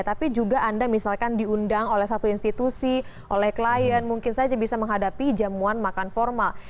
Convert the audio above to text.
tapi juga anda misalkan diundang oleh satu institusi oleh klien mungkin saja bisa menghadapi jamuan makan formal